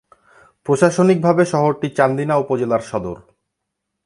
প্রশাসনিকভাবে শহরটি চান্দিনা উপজেলার সদর।